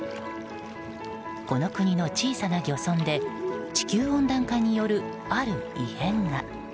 この国の小さな漁村で地球温暖化によるある異変が。